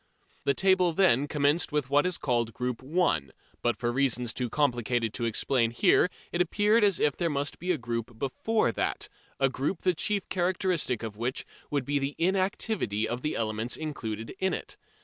The table then commenced with what is still called Group 1, but for reasons too complicated to explain here it appeared as if there must be a group before that, a group the chief characteristic of which would be the inactivity of the elements included in it.